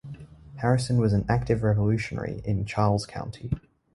Harrison was an active revolutionary in Charles County.